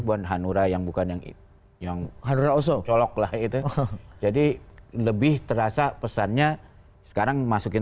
buat hanura yang bukan yang itu yang hanura oso colok lah itu jadi lebih terasa pesannya sekarang masukin